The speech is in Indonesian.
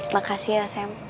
makasih ya sam